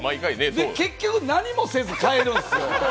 で、結局、何もせず帰るんですよ。